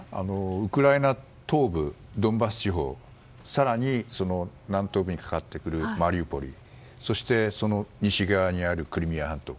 ウクライナ東部ドンバス地方更に南東部にかかってくるマリウポリそしてその西側のクリミア半島。